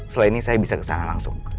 setelah ini saya bisa kesana langsung